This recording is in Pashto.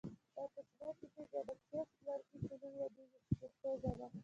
دا کوچنۍ ټوټې بیا د چپس لرګي په نوم یادیږي په پښتو ژبه.